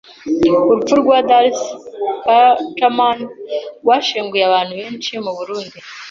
Urupfu rwa Darcy Kacaman rwashenguye abantu benshi mu Burundi